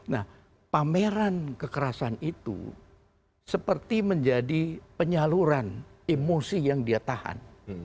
nah pameran kekerasan itu seperti menjadi penyaluran emosi yang dia tahan